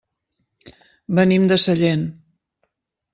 Venim de Sellent.